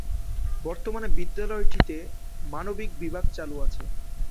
বর্তমানে বিদ্যালয়টিতে মানবিক বিভাগ চালু আছে।